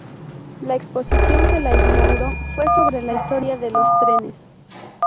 La exposición que la inauguró fue sobre la historia de los trenes.